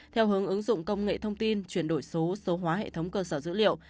theo hướng ứng dụng công nghệ thông tin chuyển đổi số số hóa hệ thống cơ sở dữ liệu